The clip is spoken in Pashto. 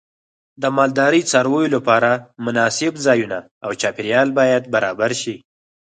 د مالدارۍ د څارویو لپاره مناسب ځایونه او چاپیریال باید برابر شي.